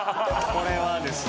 これはですね。